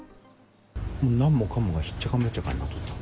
なんもかもが、ひっちゃかめっちゃかになっとった。